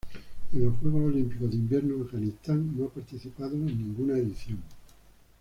En los Juegos Olímpicos de Invierno Afganistán no ha participado en ninguna edición.